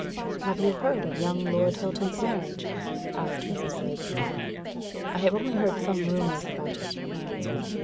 "Have you heard of young Lord Hilton's marriage?" asked Mrs. Blakesley. "I have only heard some rumours about it," I answered.